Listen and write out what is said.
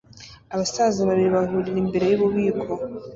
Abasaza babiri bahurira imbere yububiko